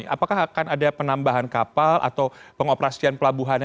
apakah akan ada penambahan kapal atau pengoperasian pelabuhannya